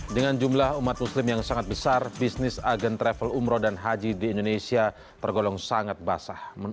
dengan jumlah umat muslim yang sangat besar bisnis agen travel umroh dan haji di indonesia tergolong sangat basah